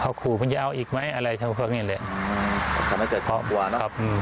เขาขู่มันจะเอาอีกไหมอะไรทำให้เขาเห็นเลยอืม